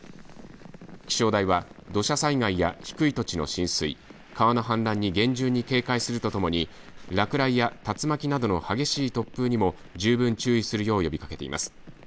気象台は土砂災害や低い土地の浸水川の氾濫に厳重に警戒するとともに落雷や竜巻などの激しい突風にも十分注意するよう呼びかけています。